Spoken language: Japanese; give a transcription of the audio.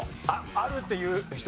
あるっていう人？